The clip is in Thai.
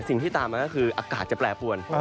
สิ่งที่ตามมาก็คืออากาศจะแปรปวน